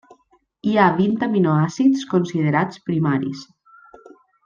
Hi ha vint aminoàcids considerats primaris.